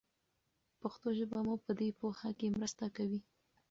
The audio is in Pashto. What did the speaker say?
پښتو ژبه مو په دې پوهه کې مرسته کوي.